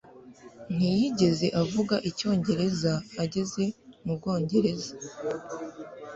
Ntiyigeze avuga Icyongereza ageze mu Bwongereza